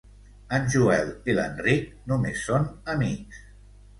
En Joel i l'Enric només són amics.